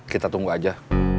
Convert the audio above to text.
kita tunggu aja